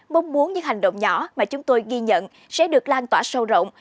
mong muốn những hành động nhỏ mà chúng tôi ghi nhận sẽ được lan tỏa sâu rộng